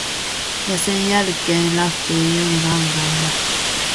Ja sen jälkeen lähtee jono rannalle.